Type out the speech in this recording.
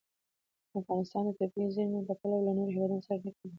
افغانستان د طبیعي زیرمې له پلوه له نورو هېوادونو سره اړیکې لري.